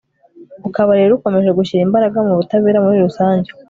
ukaba rero ukomeje gushyira imbaraga mu butabera muri rusange